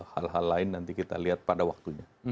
hal hal lain nanti kita lihat pada waktunya